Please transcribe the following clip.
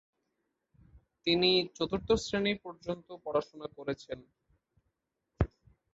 তিনি চতুর্থ শ্রেণী পর্যন্ত পড়াশোনা করেন।